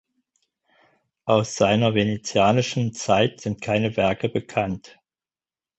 Aus seiner venezianischen Zeit sind keine Werke bekannt.